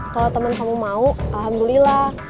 kalau temen kamu mau alhamdulillah